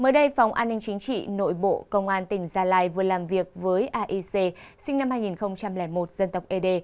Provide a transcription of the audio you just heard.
mới đây phóng an ninh chính trị nội bộ công an tỉnh gia lai vừa làm việc với aec sinh năm hai nghìn một dân tộc ed